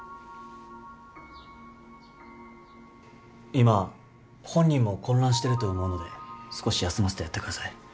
今本人も混乱してると思うので少し休ませてやってください。